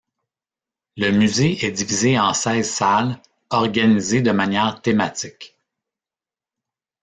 Le musée est divisé en seize salles, organisées de manière thématique.